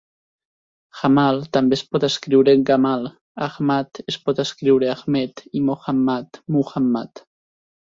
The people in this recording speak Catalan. "Jamal" també es pot escriure "Gamal", "Ahmad" es pot escriure "Ahmed" i "Mohammad", "Muhammad".